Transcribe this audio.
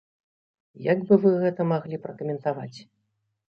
Як бы вы гэта маглі пракаментаваць?